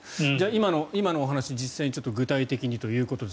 今のお話実際に具体的にということです。